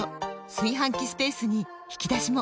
炊飯器スペースに引き出しも！